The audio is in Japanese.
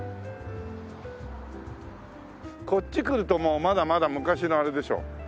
こっち来るともうまだまだ昔のあれでしょ。